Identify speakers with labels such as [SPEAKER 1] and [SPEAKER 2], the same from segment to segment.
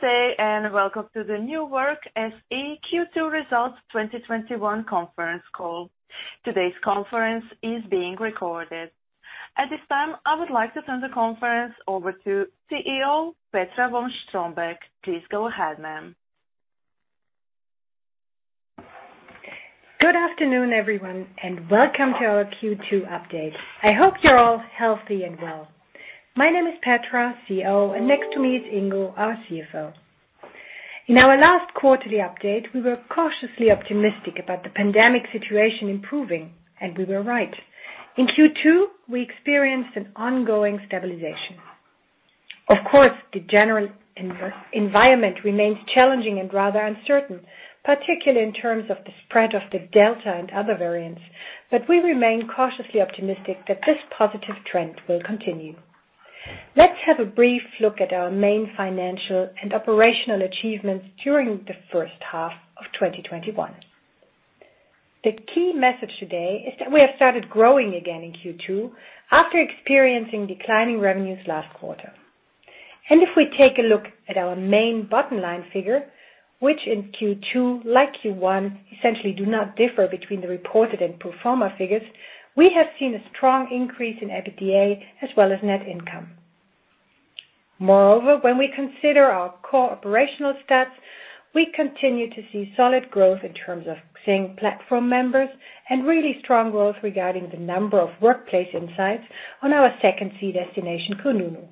[SPEAKER 1] Good day, and welcome to the New Work SE Q2 Results 2021 conference call. Today's conference is being recorded. At this time, I would like to turn the conference over to CEO, Petra von Strombeck. Please go ahead, ma'am.
[SPEAKER 2] Good afternoon, everyone, welcome to our Q2 update. I hope you're all healthy and well. My name is Petra, CEO, and next to me is Ingo, our CFO. In our last quarterly update, we were cautiously optimistic about the pandemic situation improving, and we were right. In Q2, we experienced an ongoing stabilization. Of course, the general environment remains challenging and rather uncertain, particularly in terms of the spread of the Delta and other variants, but we remain cautiously optimistic that this positive trend will continue. Let's have a brief look at our main financial and operational achievements during the first half of 2021. The key message today is that we have started growing again in Q2 after experiencing declining revenues last quarter. If we take a look at our main bottom line figure, which in Q2, like Q1, essentially do not differ between the reported and pro forma figures, we have seen a strong increase in EBITDA as well as net income. When we consider our core operational stats, we continue to see solid growth in terms of XING platform members and really strong growth regarding the number of workplace insights on our second B2C destination, kununu.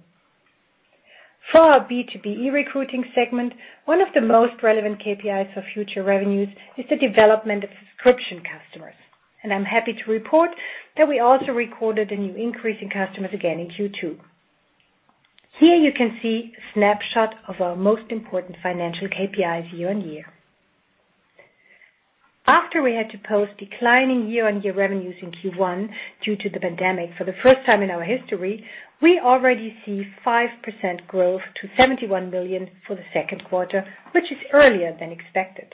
[SPEAKER 2] For our B2B e-recruiting segment, one of the most relevant KPIs for future revenues is the development of subscription customers. I'm happy to report that we also recorded a new increase in customers again in Q2. Here you can see a snapshot of our most important financial KPIs year-on-year. After we had to post declining year-on-year revenues in Q1 due to the pandemic for the first time in our history, we already see 5% growth to 71 million for the second quarter, which is earlier than expected.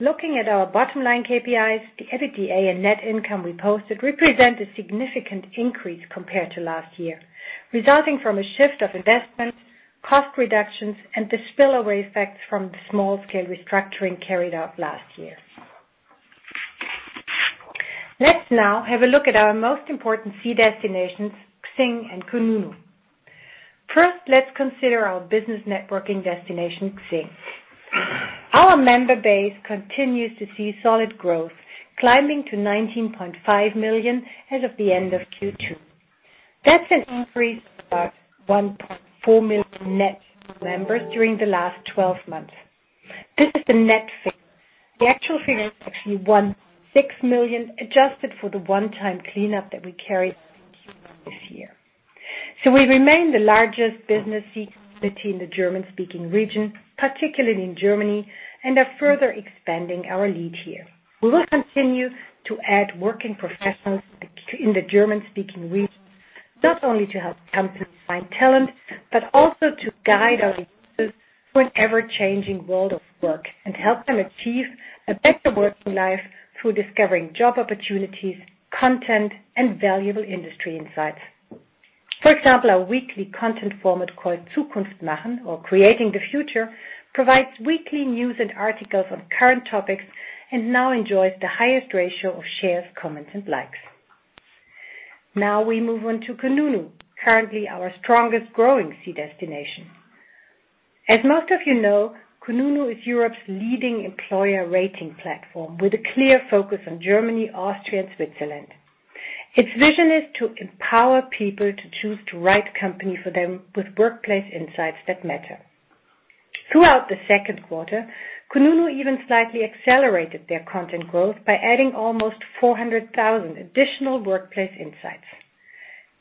[SPEAKER 2] Looking at our bottom-line KPIs, the EBITDA and net income we posted represent a significant increase compared to last year, resulting from a shift of investments, cost reductions, and the spillover effects from the small-scale restructuring carried out last year. Let's now have a look at our most important B2C destinations, XING and kununu. First, let's consider our business networking destination, XING. Our member base continues to see solid growth, climbing to 19.5 million as of the end of Q2. That's an increase of about 1.4 million net members during the last 12 months. This is the net figure. The actual figure is actually 1.6 million, adjusted for the one-time cleanup that we carried out in Q1 this year. We remain the largest B2C community in the German-speaking region, particularly in Germany, and are further expanding our lead here. We will continue to add working professionals in the German-speaking region, not only to help companies find talent, but also to guide our users through an ever-changing world of work and help them achieve a better working life through discovering job opportunities, content, and valuable industry insights. For example, our weekly content format called Zukunft.machen., or Creating the Future, provides weekly news and articles on current topics and now enjoys the highest ratio of shares, comments, and likes. Now we move on to kununu, currently our strongest growing B2C destination. As most of you know, Kununu is Europe's leading employer rating platform with a clear focus on Germany, Austria, and Switzerland. Its vision is to empower people to choose the right company for them with workplace insights that matter. Throughout the second quarter, Kununu even slightly accelerated their content growth by adding almost 400,000 additional workplace insights.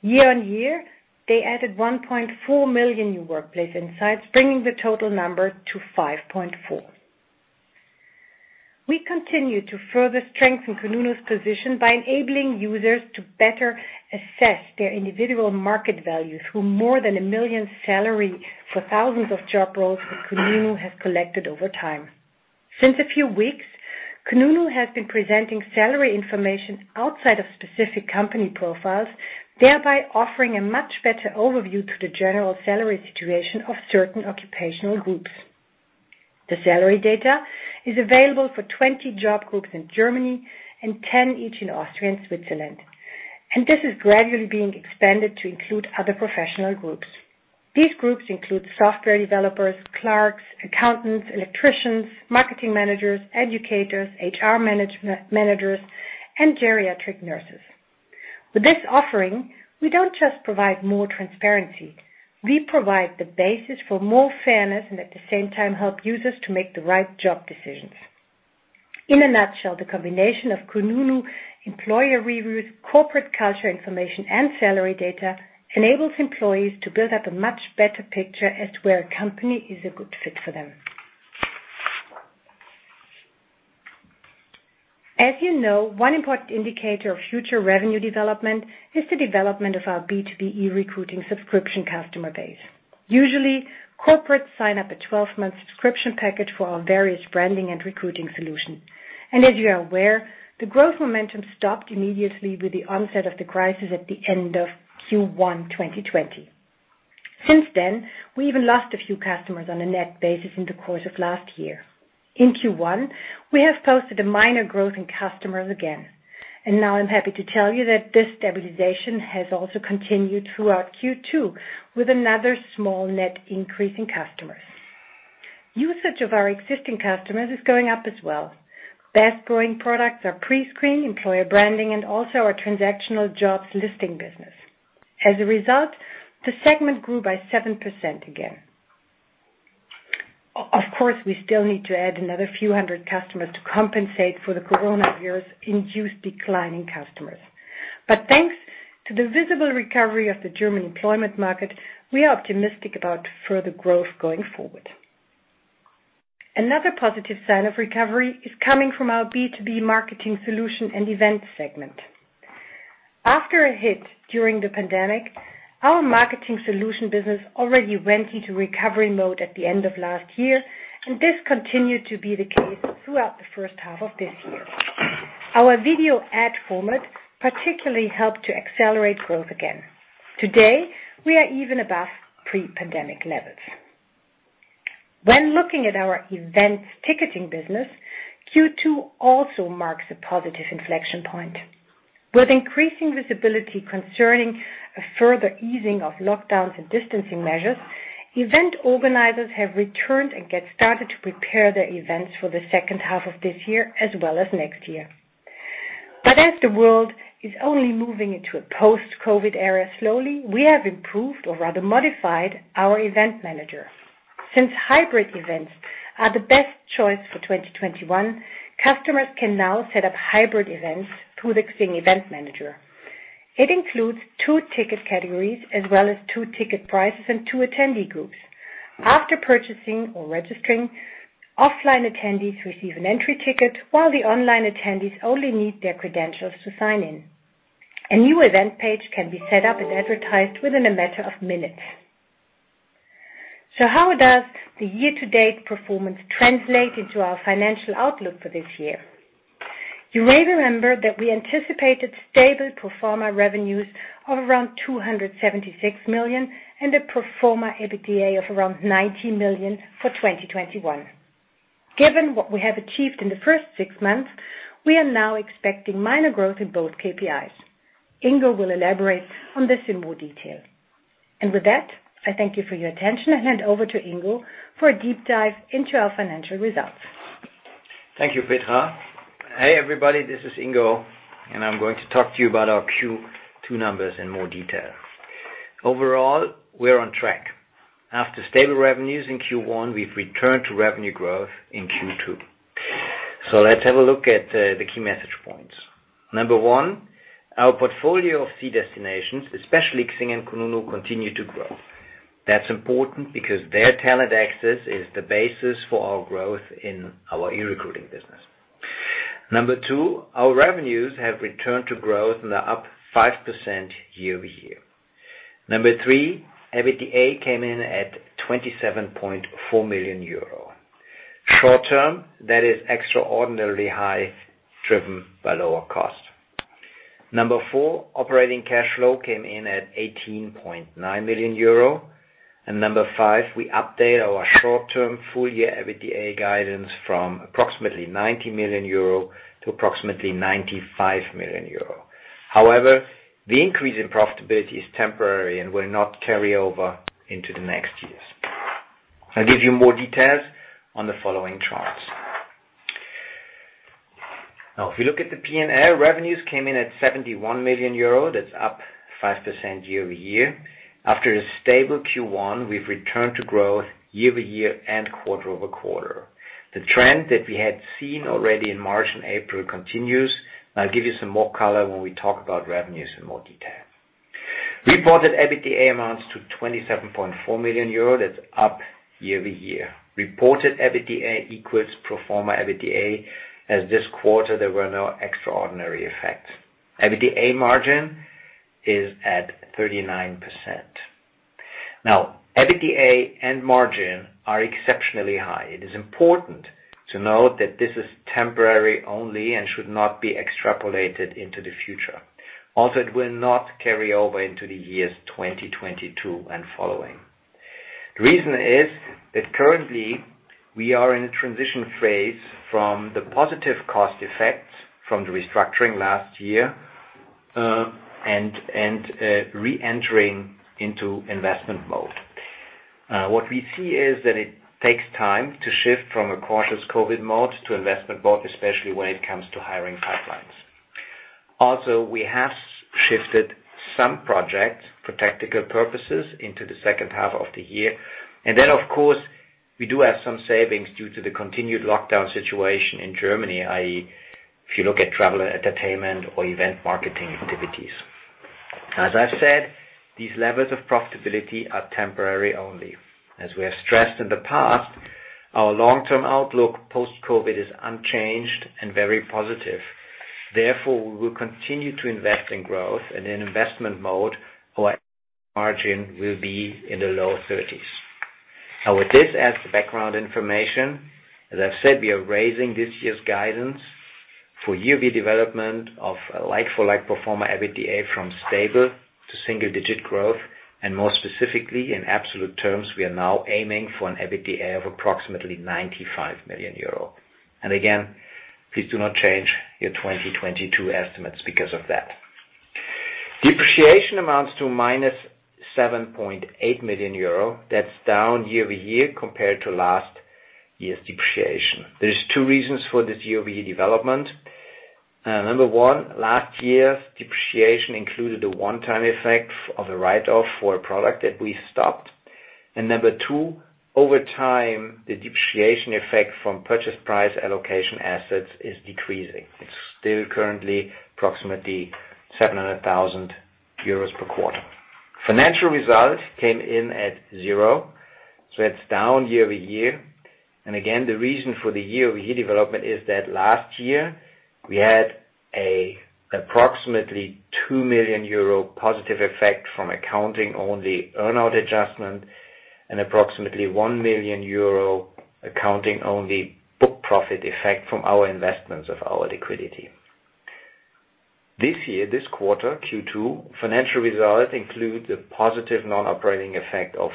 [SPEAKER 2] Year-on-year, they added 1.4 million new workplace insights, bringing the total number to 5.4. We continue to further strengthen Kununu's position by enabling users to better assess their individual market value through more than one million salary for thousands of job roles that Kununu has collected over time. Since a few weeks, Kununu has been presenting salary information outside of specific company profiles, thereby offering a much better overview to the general salary situation of certain occupational groups. The salary data is available for 20 job groups in Germany and 10 each in Austria and Switzerland. This is gradually being expanded to include other professional groups. These groups include software developers, clerks, accountants, electricians, marketing managers, educators, HR managers, and geriatric nurses. With this offering, we don't just provide more transparency. We provide the basis for more fairness and at the same time help users to make the right job decisions. In a nutshell, the combination of kununu employer reviews, corporate culture information, and salary data enables employees to build up a much better picture as to where a company is a good fit for them. As you know, one important indicator of future revenue development is the development of our B2B e-recruiting subscription customer base. Usually, corporates sign up a 12-month subscription package for our various branding and recruiting solutions. As you are aware, the growth momentum stopped immediately with the onset of the crisis at the end of Q1 2020. Since then, we even lost a few customers on a net basis in the course of last year. In Q1, we have posted a minor growth in customers again. Now I'm happy to tell you that this stabilization has also continued throughout Q2 with another small net increase in customers. Usage of our existing customers is going up as well. Best growing products are Prescreen, Employer Branding, and also our transactional jobs listing business. As a result, the segment grew by 7% again. Of course, we still need to add another few hundred customers to compensate for the coronavirus-induced decline in customers. Thanks to the visible recovery of the German employment market, we are optimistic about further growth going forward. Another positive sign of recovery is coming from our B2B marketing solution and events segment. After a hit during the pandemic, our marketing solution business already went into recovery mode at the end of last year, and this continued to be the case throughout the first half of this year. Our video ad format particularly helped to accelerate growth again. Today, we are even above pre-pandemic levels. When looking at our events ticketing business, Q2 also marks a positive inflection point. With increasing visibility concerning a further easing of lockdowns and distancing measures, event organizers have returned and get started to prepare their events for the second half of this year as well as next year. As the world is only moving into a post-COVID era slowly, we have improved or rather modified our event manager. Since hybrid events are the best choice for 2021, customers can now set up hybrid events through the existing event manager. It includes two ticket categories as well as two ticket prices and two attendee groups. After purchasing or registering, offline attendees receive an entry ticket, while the online attendees only need their credentials to sign in. A new event page can be set up and advertised within a matter of minutes. How does the year-to-date performance translate into our financial outlook for this year? You may remember that we anticipated stable pro forma revenues of around 276 million and a pro forma EBITDA of around 90 million for 2021. Given what we have achieved in the first 6 months, we are now expecting minor growth in both KPIs. Ingo will elaborate on this in more detail. With that, I thank you for your attention and hand over to Ingo for a deep dive into our financial results.
[SPEAKER 3] Thank you, Petra. Hey, everybody, this is Ingo, and I'm going to talk to you about our Q2 numbers in more detail. Overall, we're on track. After stable revenues in Q1, we've returned to revenue growth in Q2. Let's have a look at the key message points. Number one, our portfolio of feed destinations, especially XING and kununu, continue to grow. That's important because their talent access is the basis for our growth in our e-recruiting business. Number two, our revenues have returned to growth and are up 5% year-over-year. Number three, EBITDA came in at 27.4 million euro. Short term, that is extraordinarily high, driven by lower cost. Number four, operating cash flow came in at 18.9 million euro. Number five, we update our short-term full year EBITDA guidance from approximately 90 million euro to approximately 95 million euro. However, the increase in profitability is temporary and will not carry over into the next years. I'll give you more details on the following charts. Now, if you look at the P&L, revenues came in at 71 million euro. That's up 5% year-over-year. After a stable Q1, we've returned to growth year-over-year and quarter-over-quarter. The trend that we had seen already in March and April continues. I'll give you some more color when we talk about revenues in more detail. Reported EBITDA amounts to 27.4 million euro. That's up year-over-year. Reported EBITDA equals pro forma EBITDA, as this quarter there were no extraordinary effects. EBITDA margin is at 39%. Now, EBITDA and margin are exceptionally high. It is important to note that this is temporary only and should not be extrapolated into the future. It will not carry over into the years 2022 and following. The reason is that currently we are in a transition phase from the positive cost effects from the restructuring last year and re-entering into investment mode. What we see is that it takes time to shift from a cautious COVID mode to investment mode, especially when it comes to hiring pipelines. We have shifted some projects for tactical purposes into the second half of the year. Of course, we do have some savings due to the continued lockdown situation in Germany, i.e., if you look at travel, entertainment, or event marketing activities. As I said, these levels of profitability are temporary only. As we have stressed in the past, our long-term outlook post-COVID is unchanged and very positive. We will continue to invest in growth and in investment mode, our margin will be in the low 30s. Now with this as the background information, as I've said, we are raising this year's guidance for year-over-year development of a like-for-like pro forma EBITDA from stable to single-digit growth. More specifically, in absolute terms, we are now aiming for an EBITDA of approximately 95 million euro. Again, please do not change your 2022 estimates because of that. Depreciation amounts to minus 7.8 million euro. That's down year-over-year compared to last year's depreciation. There's two reasons for this year-over-year development. Number one, last year's depreciation included a one-time effect of a write-off for a product that we stopped. Number two, over time, the depreciation effect from purchase price allocation assets is decreasing. It's still currently approximately 700,000 euros per quarter. Financial results came in at zero, so that's down year-over-year. Again, the reason for the year-over-year development is that last year we had a approximately 2 million euro positive effect from accounting-only earn-out adjustment and approximately 1 million euro accounting-only book profit effect from our investments of our liquidity. This year, this quarter, Q2, financial results include the positive non-operating effect of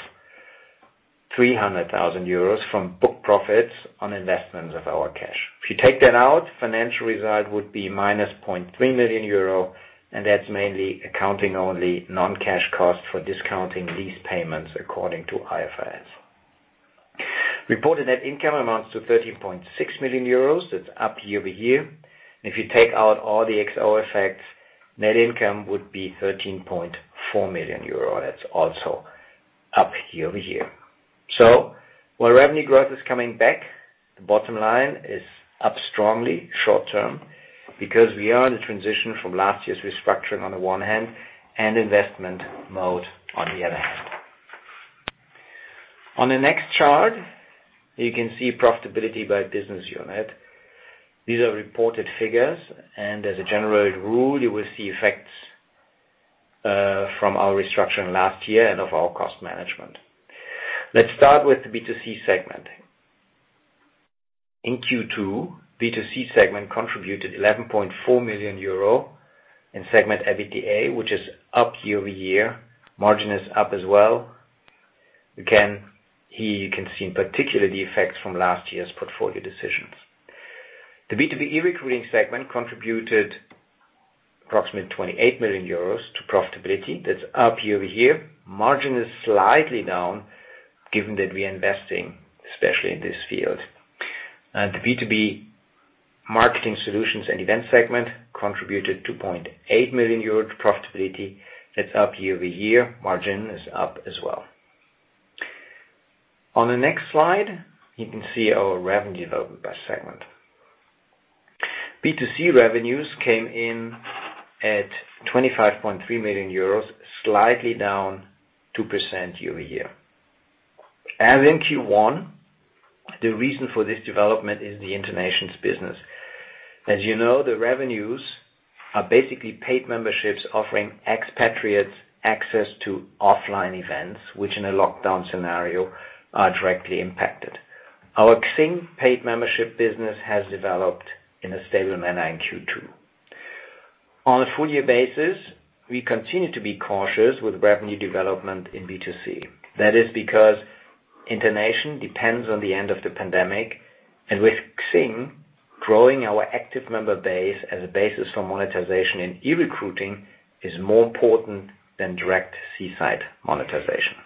[SPEAKER 3] 300,000 euros from book profits on investments of our cash. If you take that out, financial result would be minus 0.3 million euro, and that's mainly accounting-only non-cash cost for discounting lease payments according to IFRS. Reported net income amounts to 13.6 million euros. That's up year-over-year. If you take out all the extraordinary effects, net income would be 13.4 million euro. That's also up year-over-year. While revenue growth is coming back, the bottom line is up strongly short-term because we are in a transition from last year's restructuring on the one hand and investment mode on the other hand. On the next chart, you can see profitability by business unit. These are reported figures, and as a general rule, you will see effects from our restructuring last year and of our cost management. Let's start with the B2C segment. In Q2, B2C segment contributed 11.4 million euro in segment EBITDA, which is up year-over-year. Margin is up as well. Again, here you can see in particular the effects from last year's portfolio decisions. The B2B eRecruiting segment contributed approximately 28 million euros to profitability. That's up year-over-year. Margin is slightly down given that we are investing, especially in this field. The B2B Marketing Solutions and Events segment contributed to 2.8 million euros profitability. That's up year-over-year. Margin is up as well. On the next slide, you can see our revenue development by segment. B2C revenues came in at 25.3 million euros, slightly down 2% year-over-year. As in Q1, the reason for this development is the InterNations business. As you know, the revenues are basically paid memberships offering expatriates access to offline events, which in a lockdown scenario are directly impacted. Our XING paid membership business has developed in a stable manner in Q2. On a full-year basis, we continue to be cautious with revenue development in B2C. That is because InterNations depends on the end of the pandemic, and with XING, growing our active member base as a basis for monetization in eRecruiting is more important than direct C-side monetization.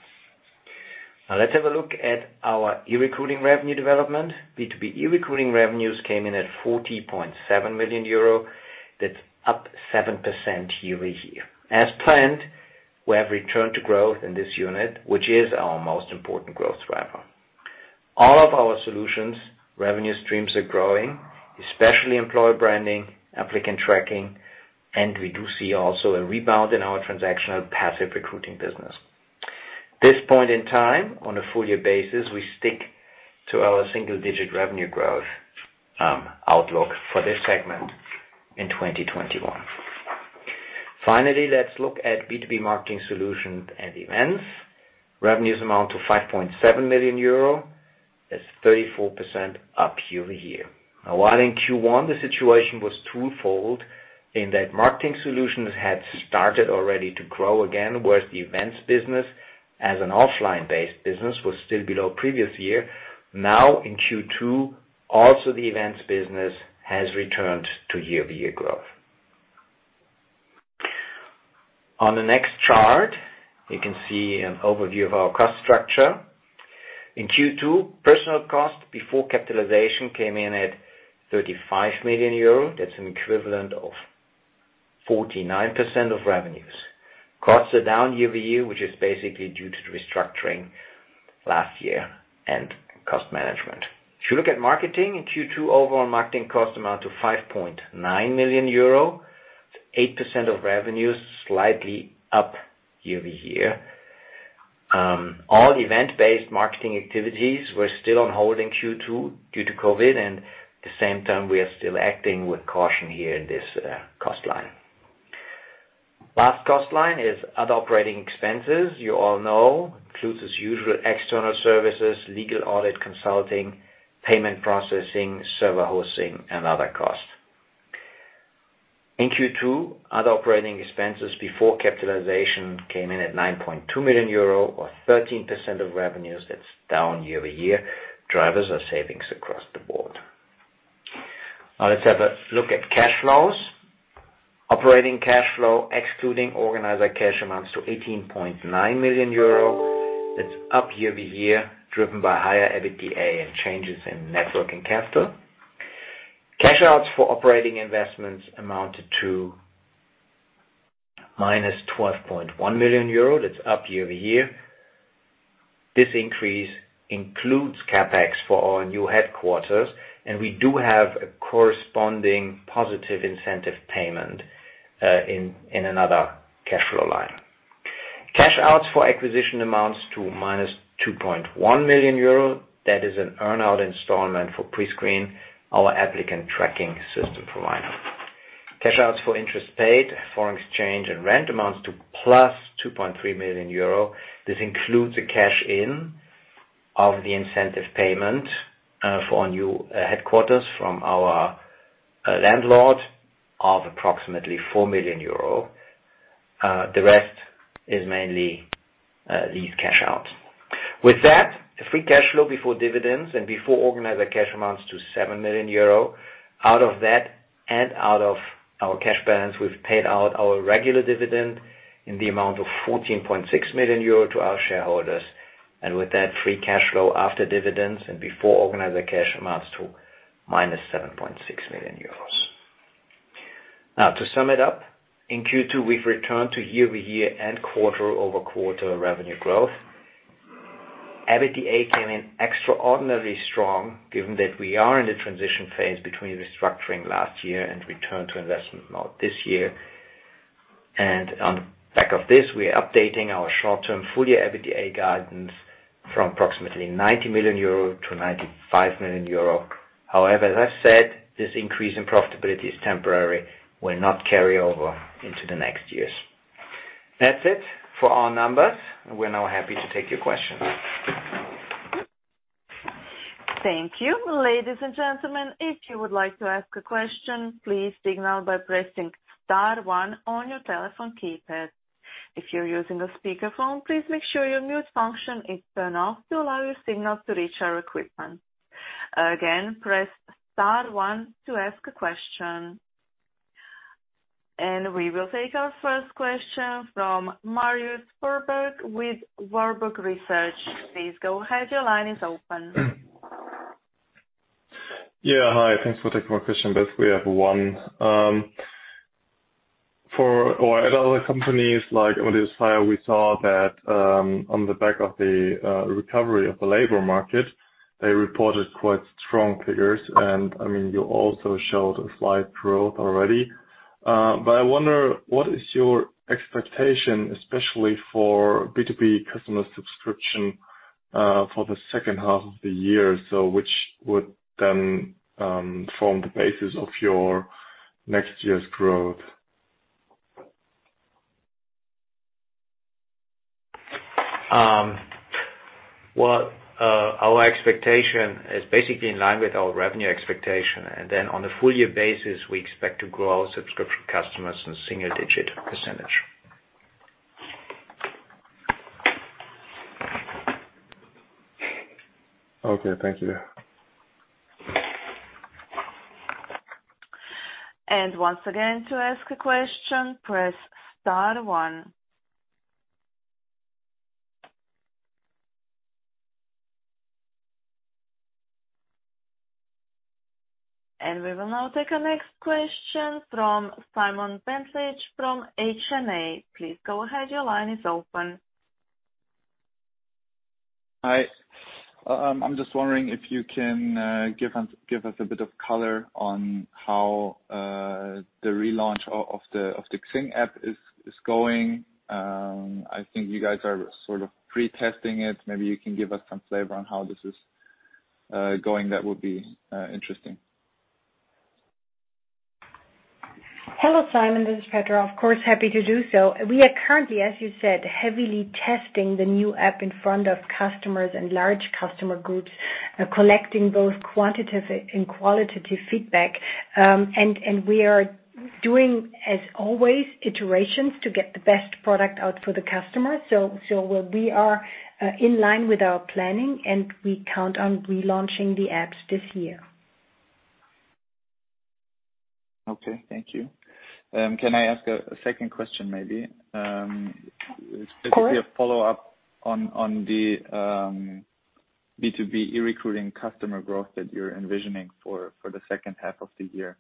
[SPEAKER 3] Now let's have a look at our eRecruiting revenue development. B2B eRecruiting revenues came in at 40.7 million euro. That's up 7% year-over-year. As planned, we have returned to growth in this unit, which is our most important growth driver. All of our solutions revenue streams are growing, especially Employer Branding, applicant tracking, and we do see also a rebound in our transactional passive recruiting business. This point in time, on a full year basis, we stick to our single-digit revenue growth outlook for this segment in 2021. Finally, let's look at B2B Marketing Solutions and Events. Revenues amount to €5.7 million. That's 34% up year-over-year. While in Q1 the situation was twofold in that Marketing Solutions had started already to grow again, whereas the Events business as an offline-based business was still below previous year. In Q2, also the Events business has returned to year-over-year growth. On the next chart, you can see an overview of our cost structure. In Q2, personnel costs before capitalization came in at €35 million. That's an equivalent of 49% of revenues. Costs are down year-over-year, which is basically due to the restructuring last year and cost management. If you look at marketing in Q2, overall marketing costs amount to 5.9 million euro. That's 8% of revenues, slightly up year-over-year. All event-based marketing activities were still on hold in Q2 due to COVID, and at the same time, we are still acting with caution here in this cost line. Last cost line is other operating expenses. You all know includes as usual external services, legal audit, consulting, payment processing, server hosting, and other costs. In Q2, other operating expenses before capitalization came in at 9.2 million euro or 13% of revenues, that's down year-over-year. Drivers are savings across the board. Now let's have a look at cash flows. Operating cash flow excluding organizer cash amounts to 18.9 million euro. That's up year-over-year, driven by higher EBITDA and changes in net working capital. Cash outs for operating investments amounted to minus 12.1 million euro. That's up year-over-year. This increase includes CapEx for our new headquarters, and we do have a corresponding positive incentive payment, in another cash flow line. Cash outs for acquisition amounts to minus 2.1 million euro. That is an earn-out installment for Prescreen, our applicant tracking system provider. Cash outs for interest paid, foreign exchange, and rent amounts to plus 2.3 million euro. This includes a cash in of the incentive payment for our new headquarters from our landlord of approximately 4 million euro. The rest is mainly these cash outs. With that, free cash flow before dividends and before organizer cash amounts to 7 million euro. Out of that and out of our cash balance, we've paid out our regular dividend in the amount of 14.6 million euro to our shareholders. With that, free cash flow after dividends and before organizer cash amounts to minus 7.6 million euros. To sum it up, in Q2 we've returned to year-over-year and quarter-over-quarter revenue growth. EBITDA came in extraordinarily strong given that we are in a transition phase between restructuring last year and return to investment mode this year. On the back of this, we are updating our short-term full year EBITDA guidance from approximately 90 million-95 million euro. However, as I've said, this increase in profitability is temporary, will not carry over into the next years. That's it for our numbers. We're now happy to take your questions.
[SPEAKER 1] Thank you. Ladies and gentlemen, if you would like to ask a question, please signal by pressing star 1 on your telephone keypad. If you're using a speakerphone, please make sure your mute function is turned off to allow your signal to reach our equipment. Again, press star 1 to ask a question. We will take our first question from Marius Verberg with Warburg Research. Please go ahead. Your line is open.
[SPEAKER 4] Yeah. Hi, thanks for taking my question. Basically, I have one. For other companies like StepStone, we saw that on the back of the recovery of the labor market, they reported quite strong figures and you also showed a slight growth already. I wonder, what is your expectation, especially for B2B customer subscription, for the second half of the year, which would then form the basis of your next year's growth?
[SPEAKER 3] Well, our expectation is basically in line with our revenue expectation, and then on a full year basis, we expect to grow our subscription customers in single-digit %.
[SPEAKER 4] Okay, thank you.
[SPEAKER 1] Once again, to ask a question, press star one. We will now take our next question from Simon Penfield from H&A. Please go ahead. Your line is open.
[SPEAKER 5] Hi, I'm just wondering if you can give us a bit of color on how the relaunch of the XING app is going. I think you guys are sort of pre-testing it. Maybe you can give us some flavor on how this is going. That would be interesting.
[SPEAKER 2] Hello, Simon. This is Petra. Of course, happy to do so. We are currently, as you said, heavily testing the new app in front of customers and large customer groups, collecting both quantitative and qualitative feedback. We are doing, as always, iterations to get the best product out for the customer. We are in line with our planning, and we count on relaunching the apps this year.
[SPEAKER 5] Okay. Thank you. Can I ask a second question maybe?
[SPEAKER 3] Of course.
[SPEAKER 5] Specifically a follow-up on the B2B e-recruiting customer growth that you're envisioning for the second half of the year.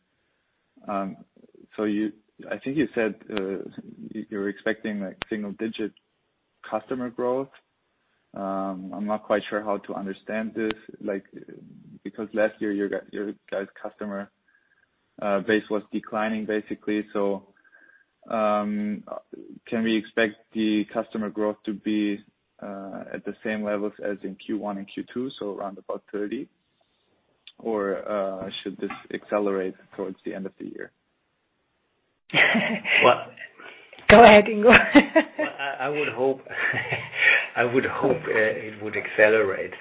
[SPEAKER 5] I think you said you're expecting like single-digit customer growth. I'm not quite sure how to understand this, because last year your guys' customer base was declining, basically. Can we expect the customer growth to be at the same levels as in Q1 and Q2, around about 30? Should this accelerate towards the end of the year?
[SPEAKER 2] Go ahead, Ingo.
[SPEAKER 3] I would hope it would accelerate.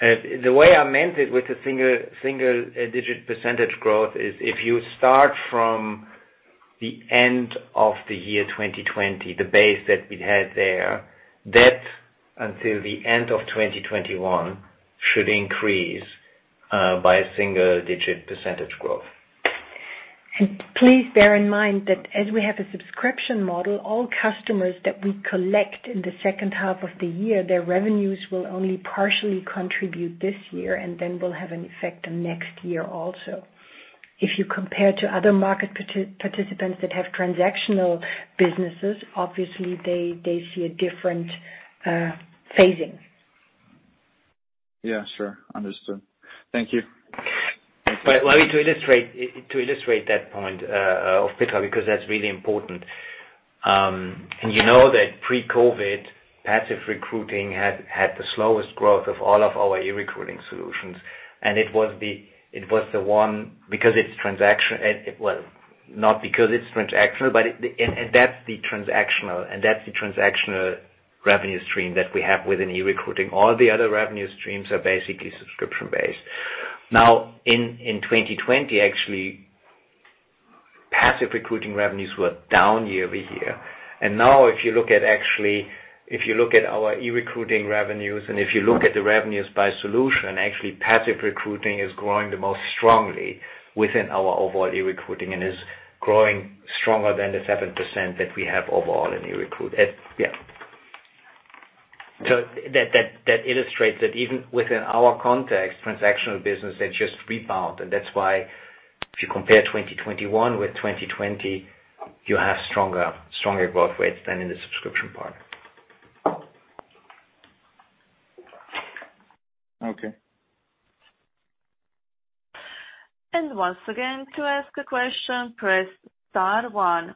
[SPEAKER 3] The way I meant it with the single digit % growth is if you start from the end of the year 2020, the base that we had there, that until the end of 2021 should increase by a single digit % growth.
[SPEAKER 2] Please bear in mind that as we have a subscription model, all customers that we collect in the second half of the year, their revenues will only partially contribute this year, and then will have an effect on next year also. If you compare to other market participants that have transactional businesses, obviously they see a different phasing.
[SPEAKER 5] Yeah, sure. Understood. Thank you.
[SPEAKER 3] To illustrate that point of Petra, because that's really important. You know that pre-COVID, passive recruiting had the slowest growth of all of our e-recruiting solutions. It was the one, not because it's transactional, that's the transactional revenue stream that we have within e-recruiting. All the other revenue streams are basically subscription-based. In 2020, actually, passive recruiting revenues were down year-over-year. Now if you look at our e-recruiting revenues and if you look at the revenues by solution, actually passive recruiting is growing the most strongly within our overall e-recruiting and is growing stronger than the 7% that we have overall in e-recruiting. Yeah. That illustrates that even within our context, transactional business had just rebound. That's why if you compare 2021 with 2020, you have stronger growth rates than in the subscription part.
[SPEAKER 5] Okay.
[SPEAKER 1] Once again, to ask a question, press star one.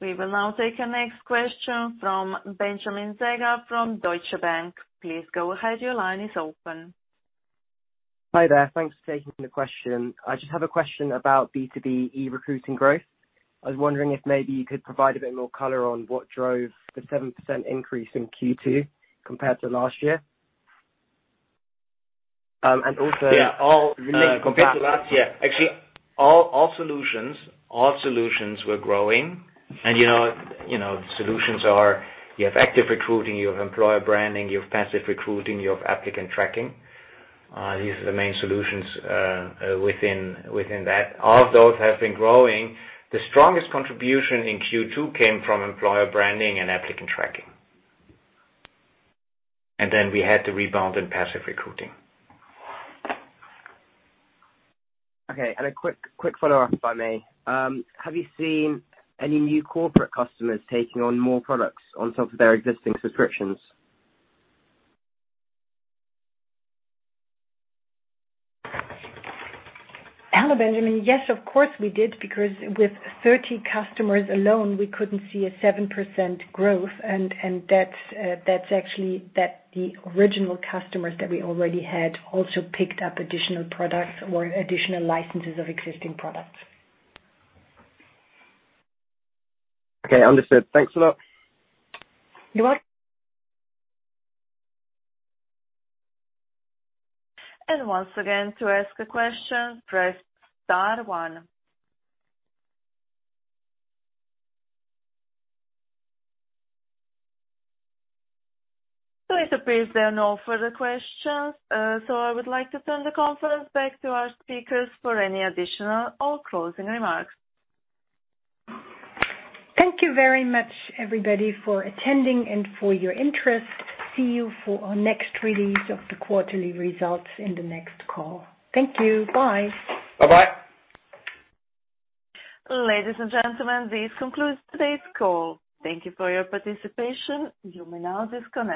[SPEAKER 1] We will now take our next question from Benjamin Rauser from Deutsche Bank. Please go ahead. Your line is open.
[SPEAKER 6] Hi there. Thanks for taking the question. I just have a question about B2B e-recruiting growth. I was wondering if maybe you could provide a bit more color on what drove the 7% increase in Q2 compared to last year. Also-
[SPEAKER 3] Yeah. Compared to last year, actually, all solutions were growing. Solutions are, you have active recruiting, you have Employer Branding, you have passive recruiting, you have applicant tracking. These are the main solutions within that. All of those have been growing. The strongest contribution in Q2 came from Employer Branding and applicant tracking. Then we had the rebound in passive recruiting.
[SPEAKER 6] Okay, a quick follow-up if I may. Have you seen any new corporate customers taking on more products on top of their existing subscriptions?
[SPEAKER 2] Hello, Benjamin. Yes, of course we did, because with 30 customers alone, we couldn't see a 7% growth. That's actually the original customers that we already had also picked up additional products or additional licenses of existing products.
[SPEAKER 6] Okay, understood. Thanks a lot.
[SPEAKER 2] You're welcome.
[SPEAKER 1] Once again, to ask a question, press star one. It appears there are no further questions. I would like to turn the conference back to our speakers for any additional or closing remarks.
[SPEAKER 2] Thank you very much, everybody, for attending and for your interest. See you for our next release of the quarterly results in the next call. Thank you. Bye.
[SPEAKER 3] Bye-bye.
[SPEAKER 1] Ladies and gentlemen, this concludes today's call. Thank you for your participation. You may now disconnect.